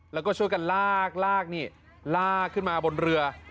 แล้วก็ช่วยกันลากลากนี่ลากขึ้นมาบนเรือ